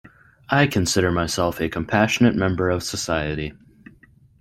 I consider myself a compassionate member of society.